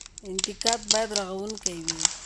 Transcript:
انتقاد باید رغونکی وي